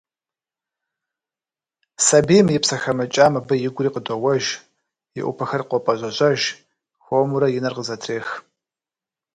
Сабийм и псэ хэмыкӏам абы игури къыдоуэж, и ӏупэхэр къопӏэжьэжьэж, хуэмурэ и нэр къызэтрех…